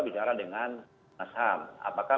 bicara dengan mas ham apakah